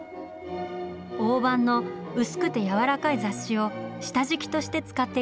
大判の薄くて柔らかい雑誌を下敷きとして使っていたそうです。